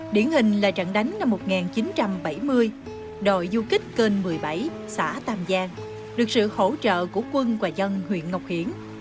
điển hình là trận đánh năm một nghìn chín trăm bảy mươi đội du kích kênh một mươi bảy xã tam giang được sự hỗ trợ của quân và dân huyện ngọc hiển